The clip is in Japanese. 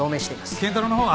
賢太郎のほうは？